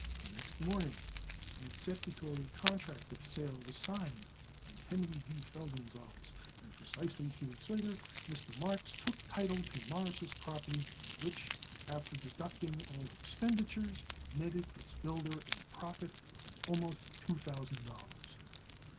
The next morning an executory contract of sale was signed in Henry D. Feldman's office, and precisely two weeks later Mr. Marks took title to Morris' property which, after deducting all expenditures, netted its builder a profit of almost two thousand dollars.